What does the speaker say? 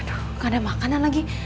aduh nggak ada makanan lagi